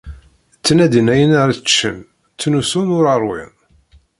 Ttnadin ayen ara ččen; ttnusun ur ṛwin.